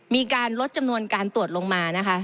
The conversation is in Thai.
มีการลดจำนวนการตรวจลงมานะคะ